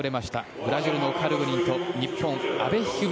ブラジルのカルグニンと日本、阿部一二三